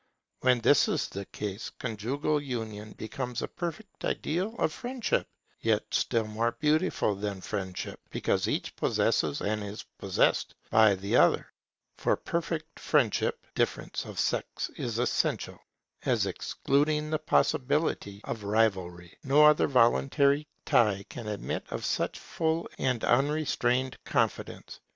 When this is the case, conjugal union becomes a perfect ideal of friendship; yet still more beautiful than friendship, because each possesses and is possessed by the other. For perfect friendship, difference of sex is essential, as excluding the possibility of rivalry. No other voluntary tie can admit of such full and unrestrained confidence.